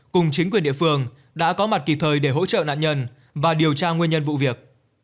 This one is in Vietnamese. cùng chính quyền địa phương đã có mặt kịp thời để hỗ trợ nạn nhân và điều tra nguyên nhân vụ việc